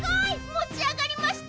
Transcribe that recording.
もちあがりました！